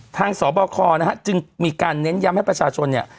ทางสบคจึงมีการเน้นย้ำให้ประชาชน